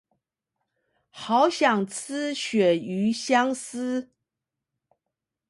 好想吃鱈魚香絲